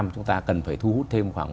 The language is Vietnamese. chúng ta cần phải thu hút thêm khoảng